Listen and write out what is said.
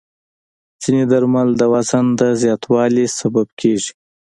ځینې درمل د وزن د زیاتوالي سبب کېږي.